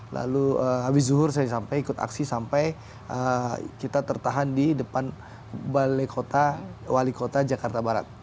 lalu habis zuhur saya sampai ikut aksi sampai kita tertahan di depan balai kota wali kota jakarta barat